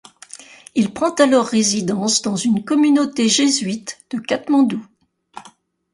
Il prend alors résidence dans une communauté jésuite de Katmandou.